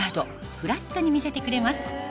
フラットに見せてくれます